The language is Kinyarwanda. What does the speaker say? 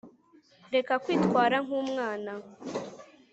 reka kwitwara nk'umwana